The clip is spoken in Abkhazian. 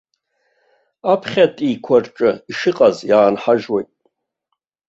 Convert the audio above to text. Аԥхьатәиқәа рҿы ишыҟаз иаанҳажьуеит.